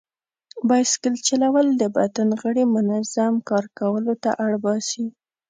بایسکل چلول د بدن غړي منظم کار کولو ته اړ باسي.